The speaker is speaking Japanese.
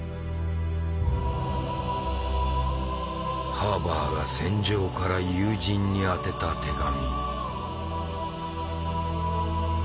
ハーバーが戦場から友人に宛てた手紙。